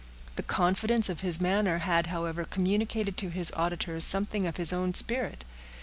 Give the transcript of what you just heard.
The confidence of his manner had, however, communicated to his auditors something of his own spirit.